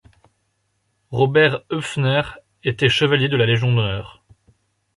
Robert Hoepffner était chevalier de la Légion d'honneur.